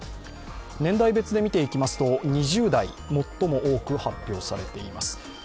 年代別で見ていきますと２０代、最も多く発表されています。